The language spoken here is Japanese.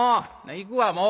行くわもう。